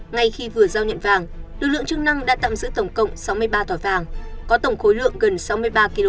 ngay khi vừa giao nhận vàng lực lượng chức năng đã tạm giữ tổng cộng sáu mươi ba tỏi vàng có tổng khối lượng gần sáu mươi ba kg